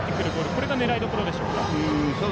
これが狙いどころでしょうか。